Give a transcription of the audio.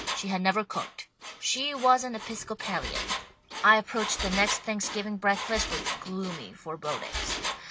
She had never cooked. She was an Episcopalian. I ap proached the next Thanksgiving breakfast with gloomy forebodings.